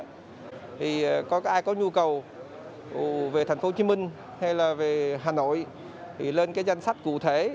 thì có cái ai có nhu cầu về thành phố hồ chí minh hay là về hà nội thì lên cái danh sách cụ thể